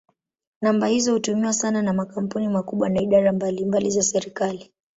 Namba hizo hutumiwa sana na makampuni makubwa na idara mbalimbali za serikali.